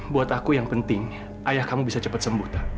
buat aku yang penting ayah kamu bisa cepat sembuh